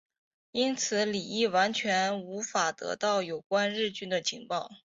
因此李镒完全无法得到有关日军的情报。